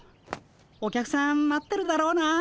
お客さん待ってるだろうな。